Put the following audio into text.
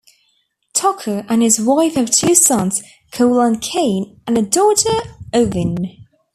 Tucker and his wife have two sons, Cole and Cain, and a daughter, Owynn.